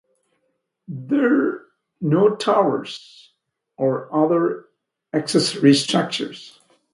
There no towers or other accessory structures.